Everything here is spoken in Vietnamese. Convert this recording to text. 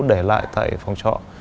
để lại tại phòng trọ